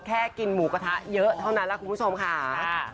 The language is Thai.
แค่กินหมูกระทะเยอะเท่านั้นแหละคุณผู้ชมค่ะ